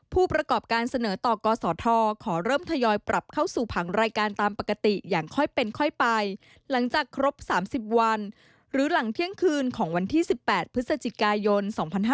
ผู้ประกอบการเสนอต่อกศธขอเริ่มทยอยปรับเข้าสู่ผังรายการตามปกติอย่างค่อยเป็นค่อยไปหลังจากครบ๓๐วันหรือหลังเที่ยงคืนของวันที่๑๘พฤศจิกายน๒๕๕๙